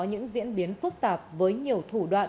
những diễn biến phức tạp với nhiều thủ đoạn